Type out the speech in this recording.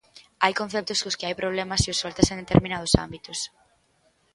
Hai conceptos cos que hai problemas se os soltas en determinados ámbitos.